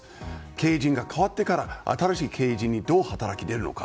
経営陣が変わってから新しい経営陣にどう働きに出るのか。